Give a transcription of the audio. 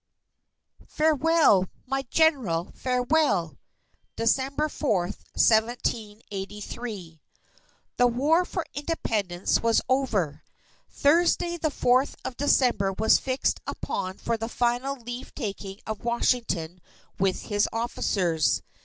FAREWELL! MY GENERAL! FAREWELL! December 4, 1783 The War for Independence was over. Thursday the 4th of December was fixed upon for the final leave taking of Washington with his officers.